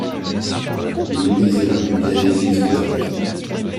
L'église est la plus vieille église de Delft.